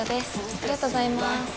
ありがとうございます。